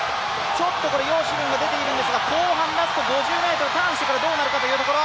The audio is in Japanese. ちょっと葉詩文出ているんですがラスト５０ｍ、ターンしてからどうなるかというところ。